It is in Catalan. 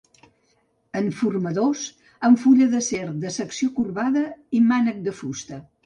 Enformadors, amb fulla d'acer de secció corbada i mànec de fusta.